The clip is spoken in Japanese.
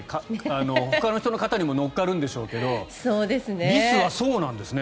ほかの人の肩にも乗っかるんでしょうけれどリスはそうなんですね。